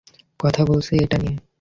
কথা বলছি এটা নিয়ে।